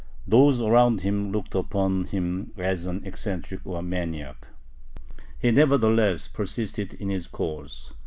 Those around him looked upon him as an eccentric or maniac. He nevertheless persisted in his course.